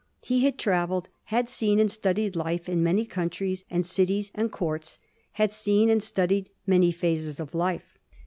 He had travelled; had seen and studied life in many countries and cities and courts; had seen and studied many phases of life.